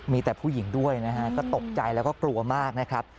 มีแต่ผู้หญิงด้วยนะฮะก็ตกใจแล้วก็กลัวมากนะครับ